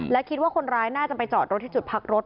และคิดว่าคนร้ายน่าจะไปจอดรถที่จุดพักรถ